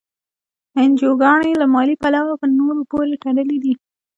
انجوګانې له مالي پلوه په نورو پورې تړلي دي.